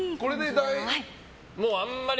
あんまり、